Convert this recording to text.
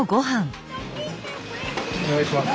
お願いします。